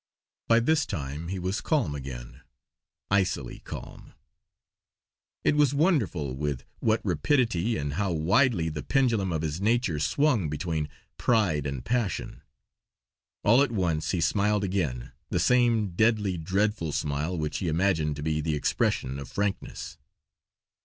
By this time he was calm again, icily calm. It was wonderful with what rapidity, and how widely, the pendulum of his nature swung between pride and passion. All at once he smiled again, the same deadly, dreadful smile which he imagined to be the expression of frankness.